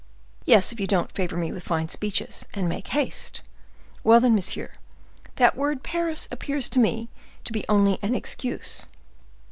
"Yes, if you don't favor me with fine speeches, and make haste." "Well, then, monsieur, that word Paris appears to me to be only an excuse."